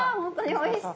おいしい。